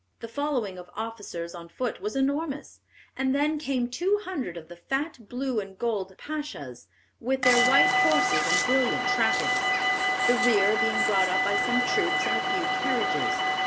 The following of officers on foot was enormous; and then came two hundred of the fat blue and gold pashas, with their white horses and brilliant trappings, the rear being brought up by some troops and a few carriages....